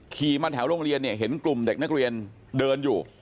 ขี่มาแถวโรงเรียนเนี่ยเห็นกลุ่มเด็กนักเรียนเดินอยู่